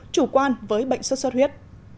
chủ quan với bệnh sốt xuất huyết